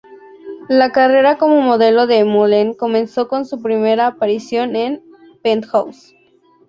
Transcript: La carrera como modelo de Mullen comenzó con su primera aparición en "Penthouse".